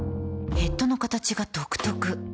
ヘッドの形が独特